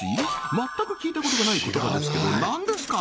全く聞いたことがない言葉ですけど何ですか？